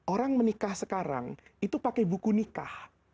orang menikah sekarang itu pakai buku nikah